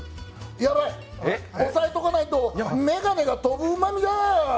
やばい、押さえておかないと眼鏡が飛ぶうまみだー！